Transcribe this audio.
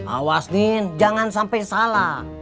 awas nin jangan sampe salah